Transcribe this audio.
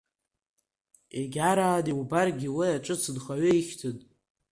Егьарааны иубаргьы уи аҿыц нхаҩы ихьӡын.